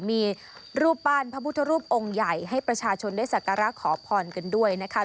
มีรูปปั้นพระพุทธรูปองค์ใหญ่ให้ประชาชนได้สักการะขอพรกันด้วยนะคะ